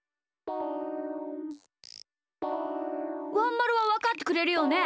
ワンまるはわかってくれるよね？